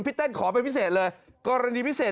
พี่เต้นขอไปพิเศษเลยกรณีพิเศษ